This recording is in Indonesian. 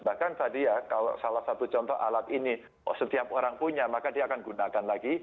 bahkan tadi ya kalau salah satu contoh alat ini setiap orang punya maka dia akan gunakan lagi